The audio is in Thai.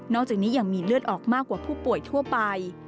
อกจากนี้ยังมีเลือดออกมากว่าผู้ป่วยทั่วไป